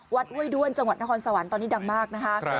ห้วยด้วนจังหวัดนครสวรรค์ตอนนี้ดังมากนะคะ